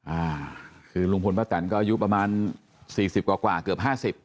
อ่าคือลุงพลป้าแตนก็อายุประมาณสี่สิบกว่ากว่าเกือบห้าสิบ